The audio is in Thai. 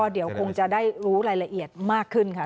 เดี๋ยวคงจะได้รู้รายละเอียดมากขึ้นค่ะ